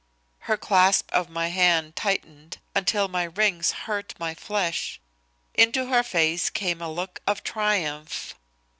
Her clasp of my hand tightened until my rings hurt my flesh. Into her face came a look of triumph.